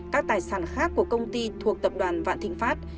các tài sản khác của công ty thuộc tập đoàn vạn thịnh pháp